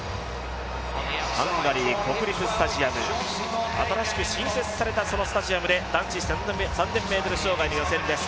ハンガリー国立スタジアム、新設されたスタジアムで男子３０００ｍ障害の予選です。